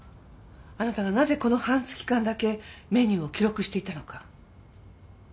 あなたがなぜこの半月間だけメニューを記録していたのか。